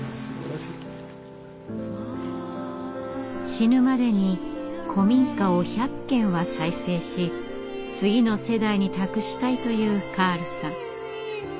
死ぬまでに古民家を１００軒は再生し次の世代に託したいというカールさん。